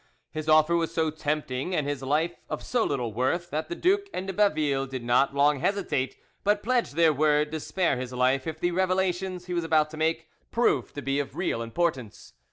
His offer was so tempting and his life of so little worth that the duke and de Baville did not long hesitate, but pledged their word to spare his life if the revelations he was about to make proved to be of real importance.